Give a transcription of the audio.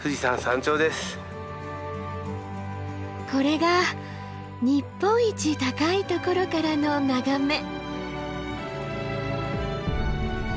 これが日本一高いところからの眺め。